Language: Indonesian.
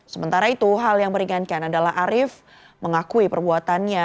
sementara itu hal yang meringankan adalah arief mengakui perbuatannya